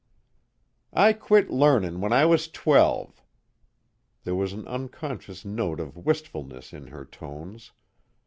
"I quit learnin' when I was twelve." There was an unconscious note of wistfulness in her tones.